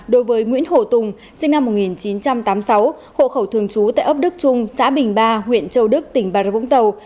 đối với nguyễn hồ tùng sinh năm một nghìn chín trăm tám mươi sáu hộ khẩu thường trú tại ấp đức trung xã bình ba huyện châu đức tỉnh bà rơ vũng tàu